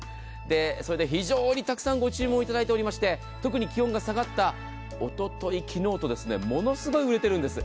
それで、非常にたくさんご注文いただいてまして特に気温が下がったおととい、昨日とものすごい売れてるんです。